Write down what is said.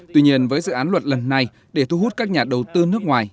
tuy nhiên với dự án luật lần này để thu hút các nhà đầu tư nước ngoài